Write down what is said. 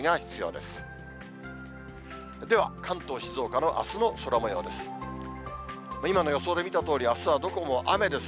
では、関東、静岡のあすの空もようです。